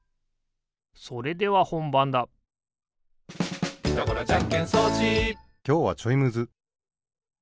それではほんばんだきょうはちょいむず。